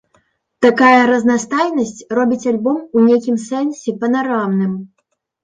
Такая разнастайнасць робіць альбом у нейкім сэнсе панарамным.